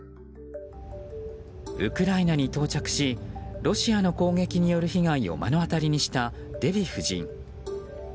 ウクライナに到着しロシアの攻撃による被害を目の当たりにしたデヴィ夫人。